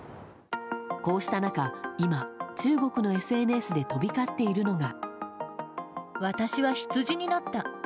こうした中、今、中国のＳＮＳで飛び交っているのが。